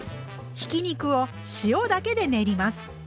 ひき肉を塩だけで練ります。